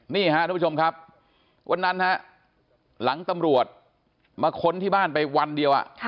นี่ฮะทุกผู้ชมครับวันนั้นฮะหลังตำรวจมาค้นที่บ้านไปวันเดียว